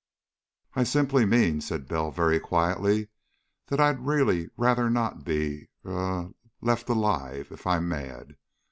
"I simply mean," said Bell very quietly, "that I'd really rather not be er left alive if I'm mad.